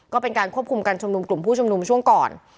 ก็เป็นการควบคุมการชุมนุมกลุ่มผู้ชุมนุมช่วงก่อน